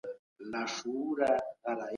تاسي ولي په پښتو کي د نورو ژبو لغتونه کارولي وه؟